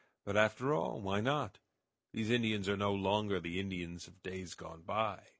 But, after all, why not? These Indians are no longer the Indians of days gone by.